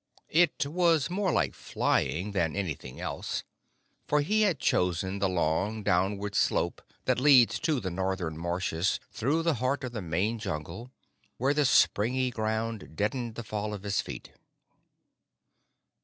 It was more like flying than anything else, for he had chosen the long downward slope that leads to the Northern Marshes through the heart of the main Jungle, where the springy ground deadened the fall of his feet.